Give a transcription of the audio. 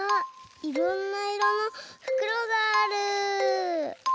いろんないろのふくろがある。